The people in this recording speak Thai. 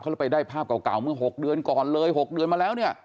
แล้วไปได้ภาพเก่าเมื่อ๖เดือนก่อนเลย๖เดือนมาแล้วเนี่ย